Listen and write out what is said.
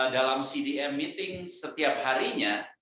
dalam cdm meeting setiap harinya